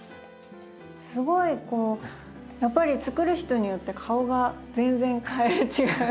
すごいこうやっぱり作る人によって顔が全然かえる違う。